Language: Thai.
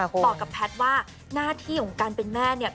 บอกกับแพทย์ว่าหน้าที่ของการเป็นแม่เนี่ย